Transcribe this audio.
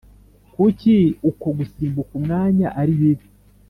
kuki uko gusimbuka umwanya ari bibi